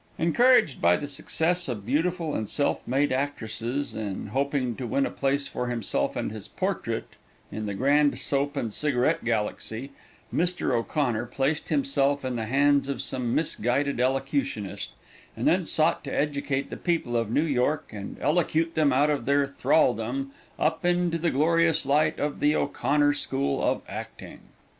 Encouraged by the success of beautiful but self made actresses, and hoping to win a place for himself and his portrait in the great soap and cigarette galaxy, Mr. O'Connor placed himself in the hands of some misguided elocutionist, and then sought to educate the people of New York and elocute them out of their thralldom up into the glorious light of the O'Connor school of acting.